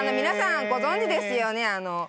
皆さんご存じですよね？